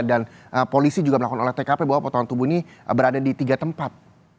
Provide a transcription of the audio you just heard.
dan polisi juga melakukan oleh tkp bahwa potongan tubuh ini berada di tiga tempat